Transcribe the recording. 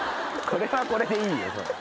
これはこれでいいよ。